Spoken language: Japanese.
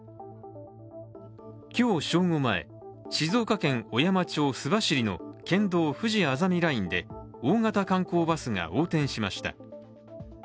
今日正午前、静岡県小山町須走の県道ふじあざみラインで大型観光バスが横転しました。